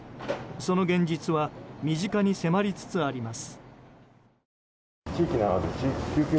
その現実は身近に迫りつつあります。